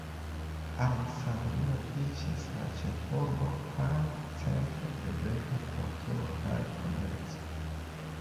Aleksandrio iĝis la ĉefurbo kaj centro de greka kulturo kaj komerco.